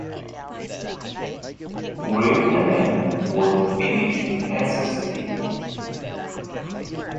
Wirtanen was of Finnish ancestry.